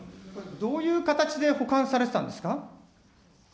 どういう形で保管されてたんですか。